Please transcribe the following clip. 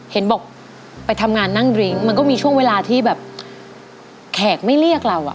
เห็นบอกไปทำงานนั่งดริ้งมันก็มีช่วงเวลาที่แบบแขกไม่เรียกเราอ่ะ